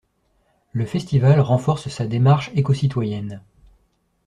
Le festival renforce sa démarche éco-citoyenne.